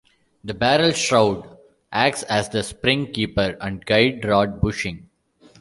The barrel shroud acts as the spring keeper and guide rod bushing.